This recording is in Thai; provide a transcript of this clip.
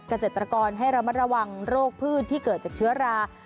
เกษตรกรให้ระมัดระวังโรคพืชที่เกิดจากเชื้อรา